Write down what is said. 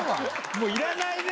もういらないね。